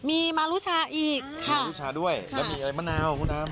มีมารูชะอีกค่ะมาลูชะด้วยค่ะแล้วมีอะไรมะนาวของคุณทัม